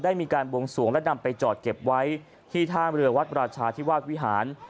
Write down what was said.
มีการบวงสวงและนำไปจอดเก็บไว้ที่ท่ามเรือวัดราชาธิวาสวิหาร